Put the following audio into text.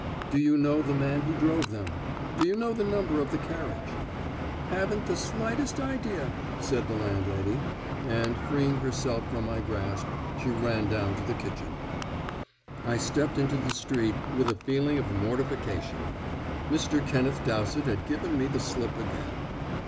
"Do you know the man who drove them? Do you know the number of the carriage?" "Haven't the slightest idea," said the landlady; and, freeing herself from my grasp, she ran down to her kitchen. I stepped into the street with a feeling of mortification. Mr. Kenneth Dowsett had given me the slip again.